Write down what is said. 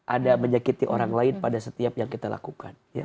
ada menyakiti orang lain pada setiap yang kita lakukan